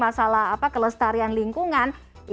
masalah kelestarian lingkungan